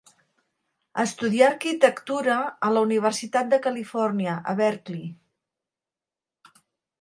Estudià arquitectura a la Universitat de Califòrnia a Berkeley.